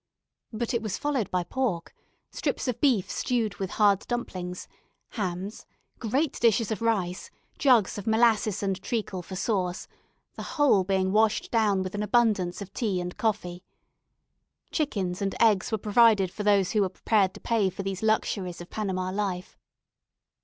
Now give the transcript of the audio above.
But it was followed by pork, strips of beef stewed with hard dumplings, hams, great dishes of rice, jugs of molasses and treacle for sauce; the whole being washed down with an abundance of tea and coffee. Chickens and eggs were provided for those who were prepared to pay for these luxuries of Panama life.